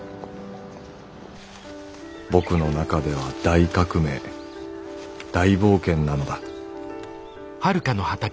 「僕の中では大革命大冒険なのだ」。